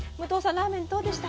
ラーメンどうでした？